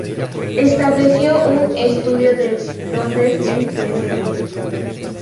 Estableció un estudio de Londres en St.